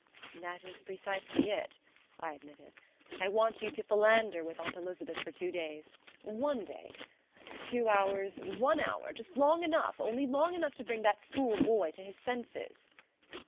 "That is precisely it," I admitted. "I want you to philander with Aunt Elizabeth for two days, one day; two hours, one hour; just long enough, only long enough to bring that fool boy to his senses."